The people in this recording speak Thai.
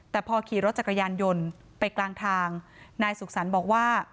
แต่พอขี่รถจักรยานยนต์ไปกลางทางนายสุขสรรค์บอกว่า